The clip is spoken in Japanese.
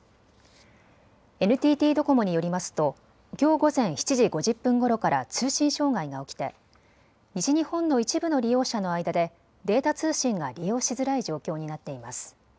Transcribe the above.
ＮＴＴドコモによりますときょう午前７時５０分ごろから通信障害が起きて西日本の一部の利用者の間でデータ通信が利用しづらい状況になっています。